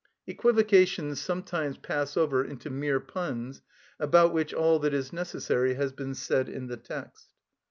Equivocations sometimes pass over into mere puns, about which all that is necessary has been said in the text.